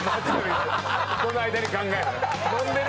この間に考える。